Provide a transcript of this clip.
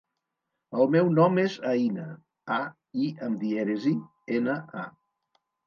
El meu nom és Aïna: a, i amb dièresi, ena, a.